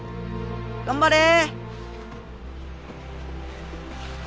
頑張れ！